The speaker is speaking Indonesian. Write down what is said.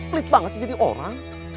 pelit banget sih jadi orang